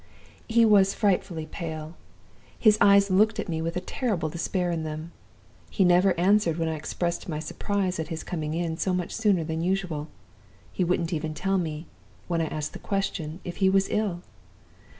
"He was frightfully pale. His eyes looked at me with a terrible despair in them. He never answered when I expressed my surprise at his coming in so much sooner than usual; he wouldn't even tell me, when I asked the question, if he was ill.